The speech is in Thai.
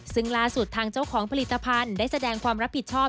ซึ่งล่าสุดทางเจ้าของผลิตภัณฑ์ได้แสดงความรับผิดชอบ